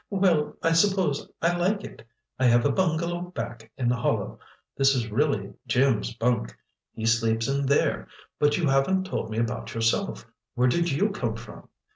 "Well, I suppose I like it. I have a bungalow back in the hollow. This is really Jim's bunk. He sleeps in there. But you haven't told me about yourself. Where did you come from?"